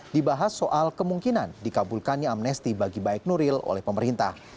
dibahas soal kemungkinan dikabulkannya amnesti bagi baik nuril oleh pemerintah